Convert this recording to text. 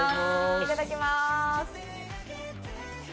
いただきまーす。